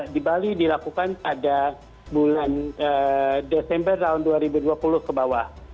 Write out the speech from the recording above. di bali dilakukan pada bulan desember tahun dua ribu dua puluh ke bawah